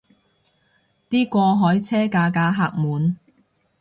啲過海車架架客滿